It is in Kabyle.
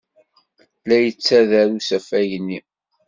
La yettader usafag-nni.